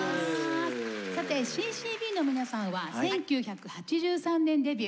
さてＣ−Ｃ−Ｂの皆さんは１９８３年デビュー。